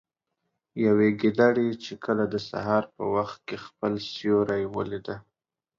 يوې ګيدړې چې کله د سهار په وخت كې خپل سيورى وليده